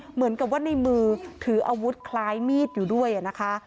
เหมือนกับว่าในมือถืออาวุธคล้ายมีดอยู่ด้วยนะคะ